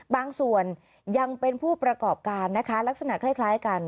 บางส่วนยังเป็นผู้ประกอบการนะคะลักษณะคล้ายกัน